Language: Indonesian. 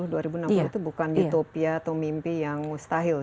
zero emission dua ribu lima puluh dua ribu enam puluh itu bukan utopia atau mimpi yang mustahil